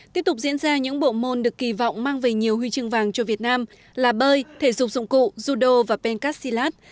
tiếp tục diễn ra những bộ môn được kỳ vọng mang về nhiều huy chương vàng cho việt nam là bơi thể dục dụng cụ judo và pencastilat